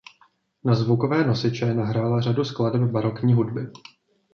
Na zvukové nosiče nahrála řadu skladeb barokní hudby.